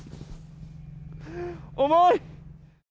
重い！